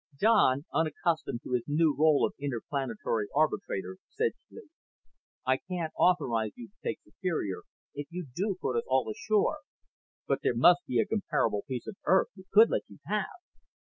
Don, unaccustomed to his new role of interplanetary arbitrator, said tentatively: "I can't authorize you to take Superior, even if you do put us all ashore, but there must be a comparable piece of Earth we could let you have."